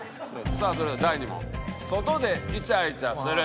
さあそれでは第２問「外でイチャイチャする」。